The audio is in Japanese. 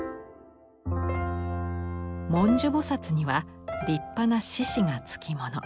文殊菩には立派な獅子が付き物。